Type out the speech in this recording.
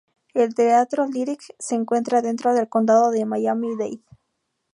El Teatro Lyric se encuentra dentro del condado de Miami-Dade.